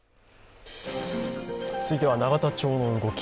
続いては永田町の動き。